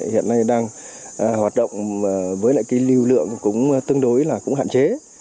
hiện nay đang hoạt động với lại lưu lượng cũng tương đối là hạn chế